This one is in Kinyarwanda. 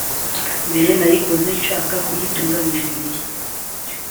mbere nayikoze nshaka kuyitura Nigeria